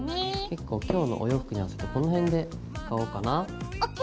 結構今日のお洋服に合わせてこの辺で使おうかな。ＯＫ！